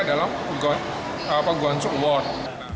dalam gonsu award